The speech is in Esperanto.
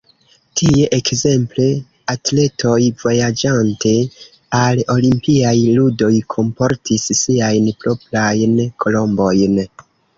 Tie ekzemple atletoj vojaĝante al olimpiaj ludoj kunportis siajn proprajn kolombojn.